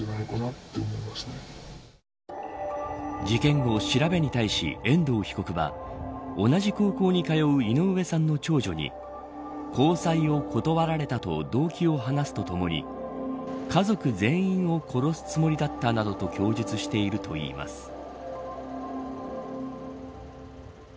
事件後、調べに対し遠藤被告は同じ高校に通う井上さんの長女に交際を断られたと動機を話すとともに家族全員を殺すつもりだったなどと供述しているといいます。